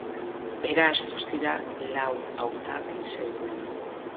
Beraz, guztira lau hautagai zeuden.